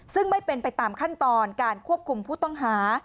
ซึ่งไม่เป็นไปตามขั้นตอนการควบคุมผู้ต้องหา